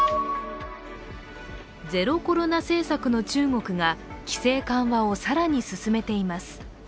ゼロコロナ政策の中国が規制緩和を更に進めています。